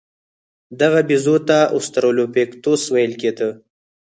دغه بیزو ته اوسترالوپیتکوس ویل کېده.